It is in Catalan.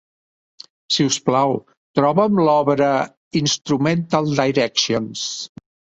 Si us plau, troba'm l'obra, Instrumental Directions.